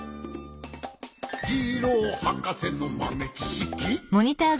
「ジローはかせのまめちしき！」